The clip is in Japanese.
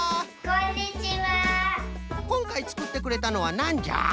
こんかいつくってくれたのはなんじゃ？